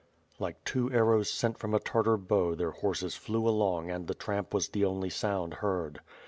Like two arrows sent from a Tartar bow, their horses flew along and the tramp was the only sound heard.